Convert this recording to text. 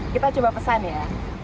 kita coba pesan ya